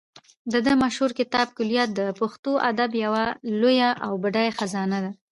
د ده مشهور کتاب کلیات د پښتو ادب یوه لویه او بډایه خزانه ده.